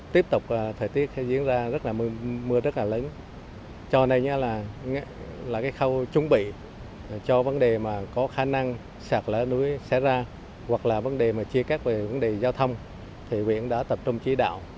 tiếp tục thời tiết diễn ra rất là mưa rất là lớn cho nên là cái khâu chuẩn bị cho vấn đề mà có khả năng sạt lở núi xảy ra hoặc là vấn đề mà chia cắt về vấn đề giao thông thì huyện đã tập trung chỉ đạo